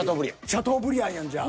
シャトーブリアンやんじゃあ。